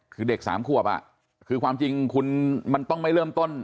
คือเด็กสามขวบคือความจริงคุณมันต้องไม่เริ่มต้น